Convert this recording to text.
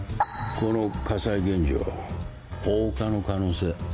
この火災現場放火の可能性あるかな？